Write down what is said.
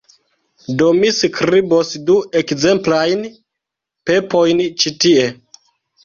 Do, mi skribos du ekzemplajn pepojn ĉi tie